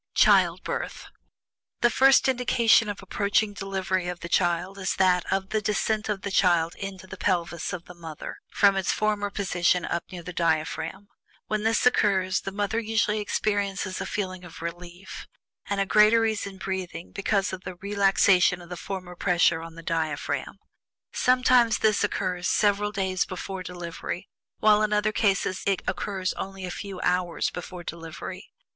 CHILDBIRTH. The first indication of approaching delivery of the child is that of the descent of the child into the pelvis of the mother, from its former position up near the diaphragm. When this occurs, the mother usually experiences a feeling of relief, and a greater ease in breathing because of the relaxation of the former pressure on the diaphragm. Sometimes this occurs several days preceding delivery, while in other cases it occurs only a few hours before delivery.